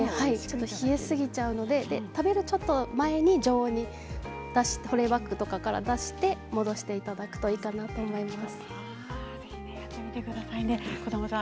冷えすぎてしまうので食べる直前に、保冷バッグから出して常温に戻していただけたらいいかなと思います。